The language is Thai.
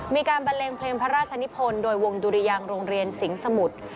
บันเลงเพลงพระราชนิพลโดยวงดุริยังโรงเรียนสิงหมุทร